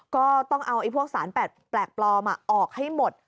ก็ต้องเอาพวกสารแปลกปลอมออกให้หมด